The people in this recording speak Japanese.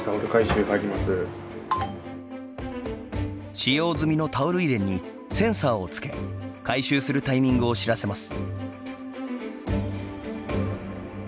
使用済みのタオル入れにセンサーをつけ回収するタイミングを知らせます。